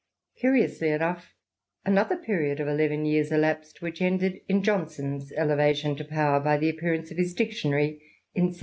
Curiously enough, another period of eleven years elapsed, which ended in Johnson's elevation to power by the appearance of the Dictionary in 1755.